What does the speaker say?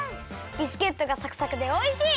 ビスケットがサクサクでおいしい！